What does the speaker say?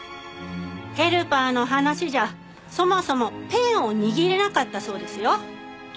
ヘルパーの話じゃそもそもペンを握れなかったそうですよ。